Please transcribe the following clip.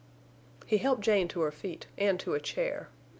He helped Jane to her feet and to a chair.